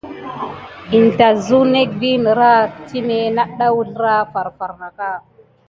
In tät suk nek gam niraki timé naku dezi farfar naka.